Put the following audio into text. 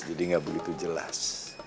jadi gak begitu jelas